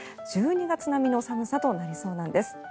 １２月並みの寒さとなりそうなんです。